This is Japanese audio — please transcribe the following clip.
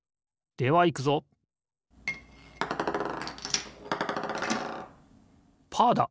ではいくぞパーだ！